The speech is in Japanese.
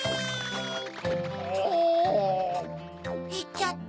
あぁ。いっちゃった。